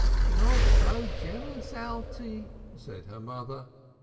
"Not so jealous, Alte," said her mother.